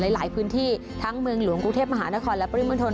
หลายพื้นที่ทั้งเมืองหลวงกรุงเทพมหานครและปริมณฑล